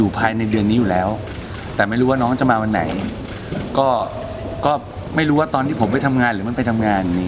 เพราะยังไง